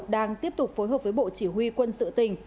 đang tiếp tục phối hợp với bộ chỉ huy quân sự tỉnh